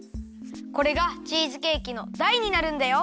これがチーズケーキのだいになるんだよ。